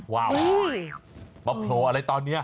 ใบโหลอะไรตอนเนี่ย